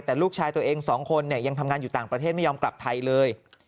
แต่ลูกชายตัวเองสองคนเนี่ยยังทำงานอยู่ต่างประเทศไม่ยอมกลับไทยเลย